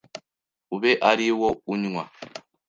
ube ari wo unywa